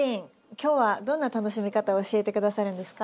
今日はどんな楽しみ方を教えて下さるんですか？